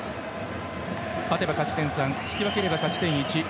勝てば、勝ち点３引き分ければ勝ち点１。